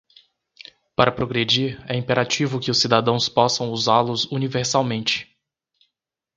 Para progredir, é imperativo que os cidadãos possam usá-los universalmente.